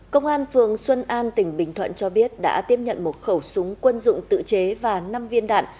công an phường xuân an tỉnh bình thuận cho biết đã tiếp nhận một khẩu súng quân dụng tự chế và năm viên đạn